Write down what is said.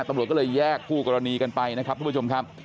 ตำรวจก็เลยแยกคู่กรณีกันไปนะครับทุกผู้ชมครับ